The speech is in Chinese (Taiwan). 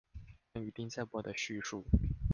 有關地震波的敘述